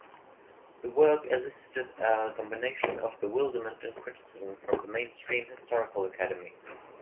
The work elicited a combination of bewilderment and criticism from the mainstream historical academy.